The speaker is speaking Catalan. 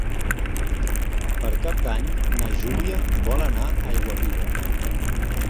Per Cap d'Any na Júlia vol anar a Aiguaviva.